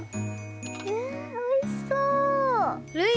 うわあおいしそう！